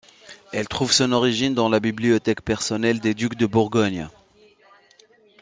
Elle trouve son origine dans la bibliothèque personnelle des ducs de Bourgogne.